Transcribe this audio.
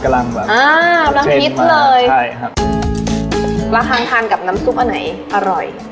กำลังแบบอ้ารับน้ำพิชเลยใช่ครับพลาทานทานกับน้ำซุปอันไหนอร่อย